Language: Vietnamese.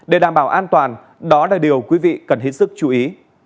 để đảm bảo an toàn đó là điều quý vị cần hết sức chú ý